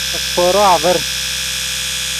ڤے سیپورو آڤر